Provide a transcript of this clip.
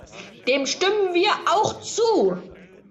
Dem stimmen wir auch zu.